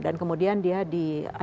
dan kemudian dia diajukan